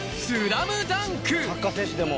サッカー選手でも。